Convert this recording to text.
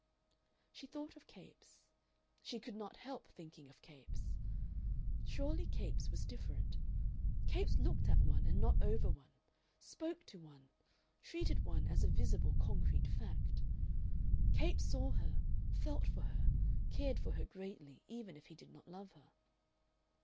She thought of Capes. She could not help thinking of Capes. Surely Capes was different. Capes looked at one and not over one, spoke to one, treated one as a visible concrete fact. Capes saw her, felt for her, cared for her greatly, even if he did not love her.